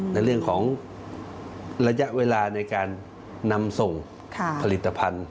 ในเรื่องของระยะเวลาในการนำส่งผลิตภัณฑ์